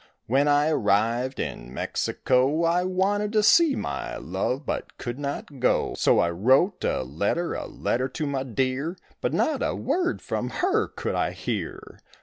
When I arrived in Mexico I wanted to see my love but could not go; So I wrote a letter, a letter to my dear, But not a word from her could I hear.